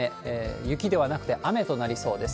雪ではなくて雨となりそうです。